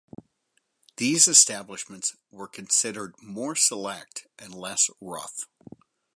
These establishments were considered more select and less rough.